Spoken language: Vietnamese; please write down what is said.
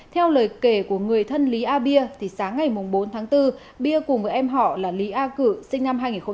theo lời kể của người thân lý a bia sáng ngày bốn tháng bốn bia cùng với em họ là lý a cử sinh năm hai nghìn tám